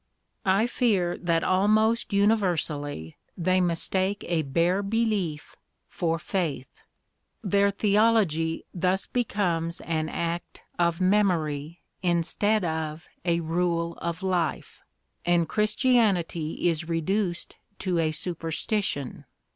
"I fear that almost universally they mistake a bare belief for faith. Their theology thus becomes an act of memory instead of a rule of life, and Christianity is reduced to a superstition.